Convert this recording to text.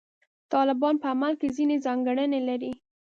طالبان په عمل کې ځینې ځانګړنې لري.